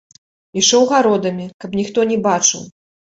Ішоў гародамі, каб ніхто не бачыў.